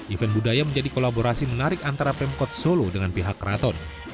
event budaya menjadi kolaborasi menarik antara pemkot solo dengan pihak keraton